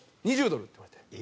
「２０ドル」って言われて。